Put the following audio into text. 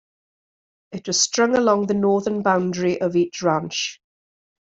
It was strung along the northern boundary of each ranch.